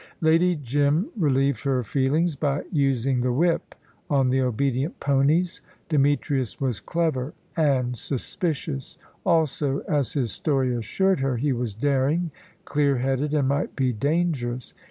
Lady Jim relieved her feelings by using the whip on the obedient ponies. Demetrius was clever and suspicious; also, as his story assured her, he was daring, clear headed, and might be dangerous.